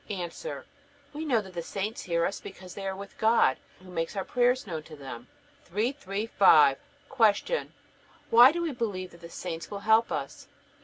A. We know that the saints hear us, because they are with God, who makes our prayers known to them. 335. Q. Why do we believe that the saints will help us?